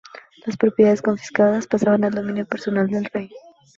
Las propiedades confiscadas pasaban al dominio personal del rey.